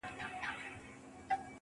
خو دا چي فريادي بېچارگى ورځيني هېــر سـو